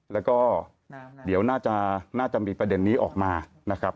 แล้วก็เดี๋ยวน่าจะมีประเด็นนี้ออกมานะครับ